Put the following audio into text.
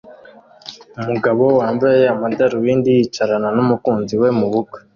Umugabo wambaye amadarubindi yicarana numukunzi we mubukwe